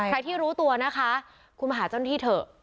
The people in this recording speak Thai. ที่รู้ตัวนะคะคุณมาหาเจ้าหน้าที่เถอะ